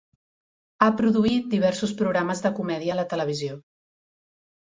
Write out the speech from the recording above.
Ha produït diversos programes de comèdia a la televisió.